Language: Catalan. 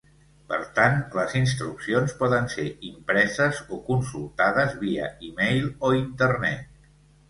Per tant les instruccions poden ser impreses o consultades via e-mail o internet.